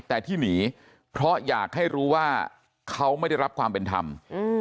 แต่ที่หนีเพราะอยากให้รู้ว่าเขาไม่ได้รับความเป็นธรรม